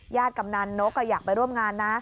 ญาติกำหนันนกก็อยากไปร่วมงานนะ